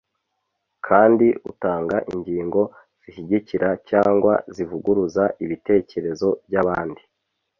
kandi utanga ingingo zishyigikira cyangwa zivuguruza ibitekerezo by’abandi